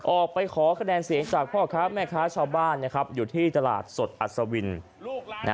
ออกไปขอคะแนนเสียงจากพ่อค้าแม่ค้าชาวบ้านนะครับอยู่ที่ตลาดสดอัศวิน